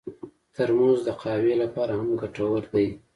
ترموز د قهوې لپاره هم ګټور دی.